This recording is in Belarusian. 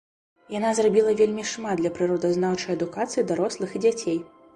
Яна зрабіла вельмі шмат для прыродазнаўчай адукацыі дарослых і дзяцей.